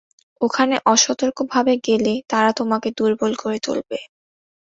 ওখানে অসতর্কভাবে গেলে, তারা তোমাকে দুর্বল করে তুলবে।